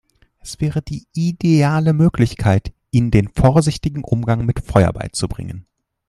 Es wäre eine ideale Möglichkeit, ihnen den vorsichtigen Umgang mit Feuer beizubringen.